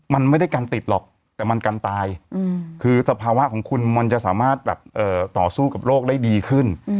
มันไม่ได้กันติดหรอกแต่มันกันตายคือสภาวะของคุณมันจะสามารถแบบต่อสู้กับโรคได้ดีขึ้น